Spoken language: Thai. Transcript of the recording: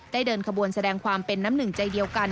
เดินขบวนแสดงความเป็นน้ำหนึ่งใจเดียวกัน